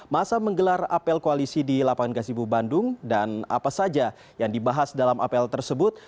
masa menggelar apel koalisi di lapangan gasibu bandung dan apa saja yang dibahas dalam apel tersebut